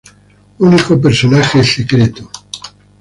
Único personaje secreto.